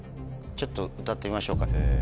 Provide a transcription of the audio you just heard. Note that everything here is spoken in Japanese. ちょっと歌ってみましょうか？